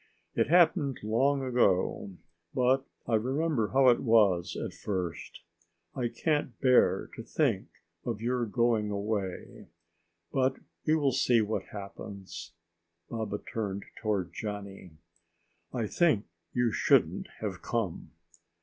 "It happened long ago, but I remember how it was at first. I can't bear to think of your going away. But we will see what happens." Baba turned toward Johnny. "I think you shouldn't have come."